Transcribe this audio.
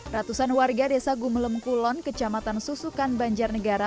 ratusan warga desa gumem kulon kecamatan susukan banjarnegara